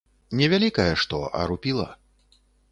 Не вялікае што, а рупіла.